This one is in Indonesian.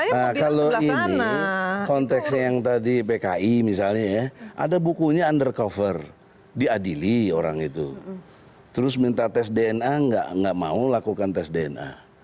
nah kalau ini konteksnya yang tadi pki misalnya ya ada bukunya undercover diadili orang itu terus minta tes dna nggak mau lakukan tes dna